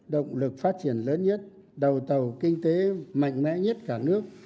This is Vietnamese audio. động lực phát triển lớn nhất đầu tàu kinh tế mạnh mẽ nhất cả nước